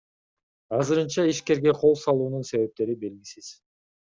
Азырынча ишкерге кол салуунун себептери белгисиз.